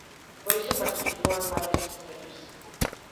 Por isto participou en varias secuelas.